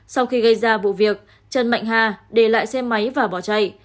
sau khi gây ra vụ việc trần mạnh hà để lại xe máy và bỏ chạy